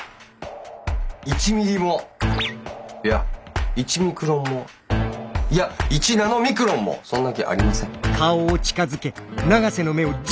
１ミリもいや１ミクロンもいや１ナノミクロンもそんな気ありません。